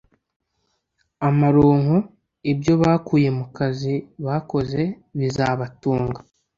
amaronko: ibyo bakuye mu kazi bakoze bizabatunga